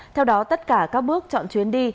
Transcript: theo đó tất cả các bước chọn chuyến đi